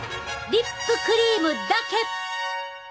リップクリームだけ！